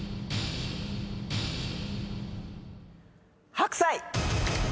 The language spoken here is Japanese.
白菜！